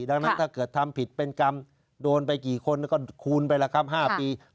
ดังนั้นถ้าเกิดทำผิดเป็นกรรมโดนไปกี่คนก็คูณไปแล้วครับ๕ปี